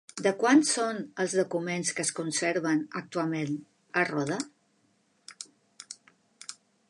De quan són els documents que es conserven actualment a Roda?